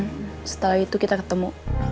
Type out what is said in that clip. dan setelah itu kita ketemu